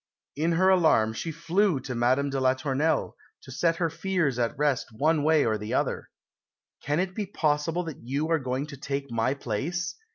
In her alarm she flew to Madame de la Tournelle, to set her fears at rest one way or the other. "Can it be possible that you are going to take my place?"